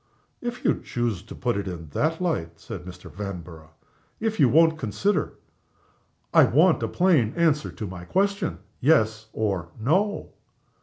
"If you choose to put it in that light," said Mr. Vanborough; "if you won't consider " "I want a plain answer to my question 'yes, or no.